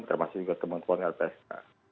termasuk juga teman teman lpsk